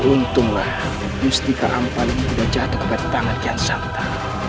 untunglah mustika ampalim sudah jatuh ke tangan kian shanta